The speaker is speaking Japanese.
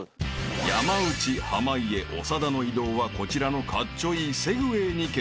［山内濱家長田の移動はこちらのカッチョイイセグウェイに決定］